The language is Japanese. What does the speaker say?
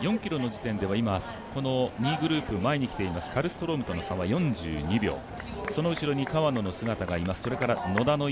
４ｋｍ地点では２位グループ前に来ているカルストロームとの差が４２秒、その後ろに川野の姿がいます